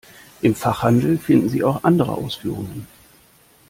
Im Fachhandel finden Sie auch andere Ausführungen.